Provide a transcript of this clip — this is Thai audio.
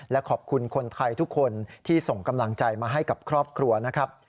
และขอบคุณคนไทยทุกคนที่ส่งกำลังใจมาให้กับครอบครัวนะครับ